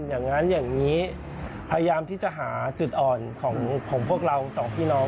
อย่างนั้นอย่างนี้พยายามที่จะหาจุดอ่อนของพวกเราสองพี่น้อง